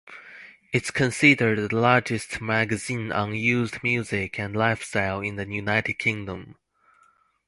It's considered the largest magazine on youth music and lifestyle in the United Kingdom.